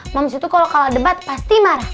mams itu kalo kalah debat pasti marah